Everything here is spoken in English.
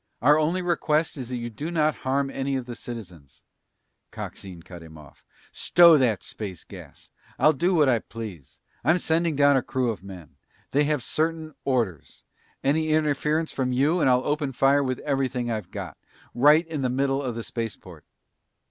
"Our only request is that you do not harm any of the citizens " Coxine cut him off. "Stow that space gas! I'll do what I please! I'm sending down a crew of men. They have certain orders. Any interference from you and I'll open fire with everything I've got right in the middle of the spaceport."